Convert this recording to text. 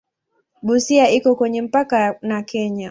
Busia iko kwenye mpaka na Kenya.